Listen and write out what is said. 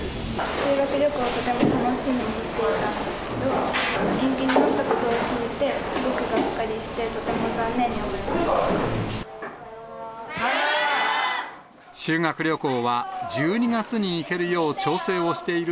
修学旅行をとても楽しみにしていたんですけど、延期になったことを聞いて、すごくがっかりして、とても残念に思いました。